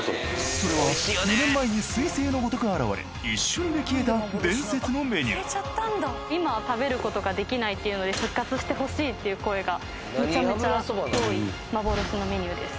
それは４年前に彗星のごとく現れ一瞬で消えた伝説のメニューっていうので復活してほしいっていう声がめちゃめちゃ多い幻のメニューです。